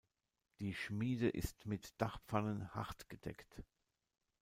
Die Schmiede ist mit Dachpfannen „hart“ gedeckt.